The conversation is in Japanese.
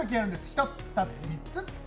１つ、２つ、３つ。